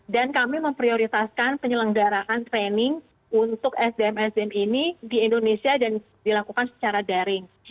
dan kami memprioritaskan penyelenggarakan training untuk sdm sdm ini di indonesia dan dilakukan secara daring